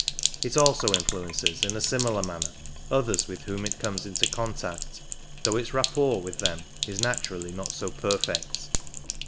It also influencejs in a similar manner others with whom it comes into contact, though its rapport with them is naturally not so perfect.